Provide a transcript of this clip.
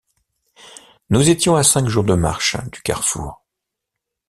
Nous étions à cinq jours de marche du carrefour.